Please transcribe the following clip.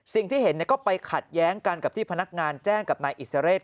สิ่งที่เห็นก็ไปขัดแย้งกันกับที่พนักงานแจ้งกับนายอิสเรศ